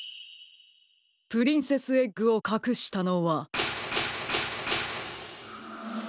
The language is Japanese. プリンセスエッグをかくしたのは。